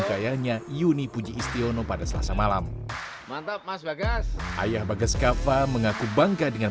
oleh ayahnya yuni puji istiono pada selasa malam ayah bagas kava mengaku bangga dengan